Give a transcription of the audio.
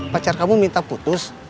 pacar kamu minta putus